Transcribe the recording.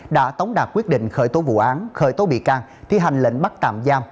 đã tống đạt quyết định khởi tố vụ án khởi tố bị can thi hành lệnh bắt tạm giam